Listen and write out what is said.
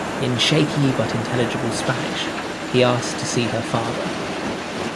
In shaky but intelligible Spanish he asked to see her father.